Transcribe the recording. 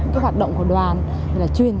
cái hoạt động của đoàn